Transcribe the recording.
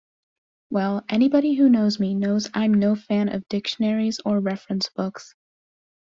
Well, anybody who knows me knows I'm no fan of dictionaries or reference books.